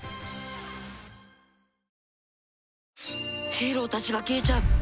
ヒーローたちが消えちゃう！